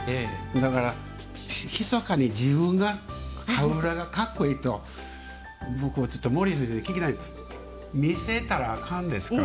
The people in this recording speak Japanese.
だから、ひそかに自分が羽裏がかっこいいと、僕は毛利先生に聞きたいんですが見せたら、あかんですか？